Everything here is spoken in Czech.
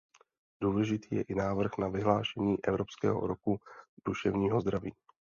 Důležitý je i návrh na vyhlášení Evropského roku duševního zdraví.